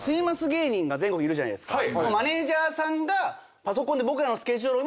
芸人が全国いるじゃないですか。